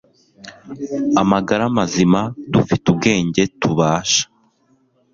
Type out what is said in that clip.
amagara mazima dufite ubwenge tubasha